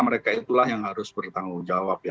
mereka itulah yang harus bertanggung jawab ya